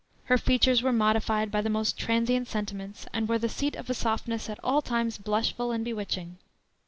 Her features were modified by the most transient sentiments and were the seat of a softness at all times blushful and bewitching.